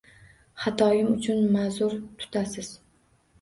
Xatoim uchun ma'zur tutasiz.